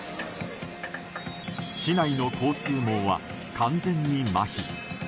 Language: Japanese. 市内の交通網は完全にまひ。